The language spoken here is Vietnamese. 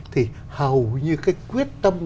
thì hầu như cái quyết tâm